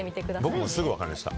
僕もう、すぐわかりました。